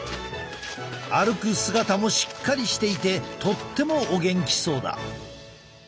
歩く姿もしっかりしていてとってもお元気そうだ。